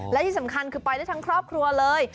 และที่สำคัญคือไปได้ทั้งครอบครัวเลย